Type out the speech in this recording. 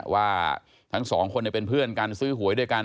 ว่าทั้งสองคนเป็นเพื่อนกันซื้อหวยด้วยกัน